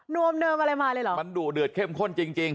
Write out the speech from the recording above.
วมเนิมอะไรมาเลยเหรอมันดุเดือดเข้มข้นจริงจริง